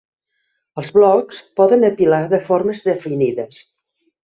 Els blocs poden apilar de formes definides.